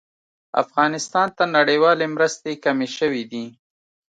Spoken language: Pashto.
افغانستان ته نړيوالې مرستې کمې شوې دي